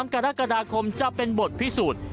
กรกฎาคมจะเป็นบทพิสูจน์